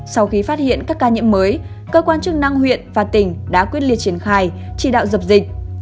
sau khi phát hiện các ca nhiễm mới cơ quan chức năng huyện và tỉnh đã quyết liệt triển khai chỉ đạo dập dịch